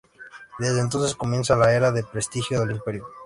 Desde entonces comienza la era de prestigio del imperio.